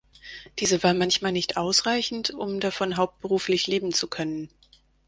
Diese war manchmal nicht ausreichend, um davon hauptberuflich leben zu können.